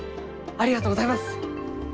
ありがとうございます！